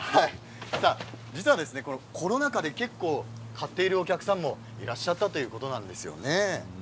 実は、コロナ禍で結構買っているお客さんもいらっしゃったということなんですね。